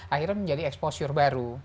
akhirnya menjadi exposure baru